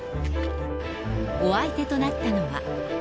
お相手となったのは。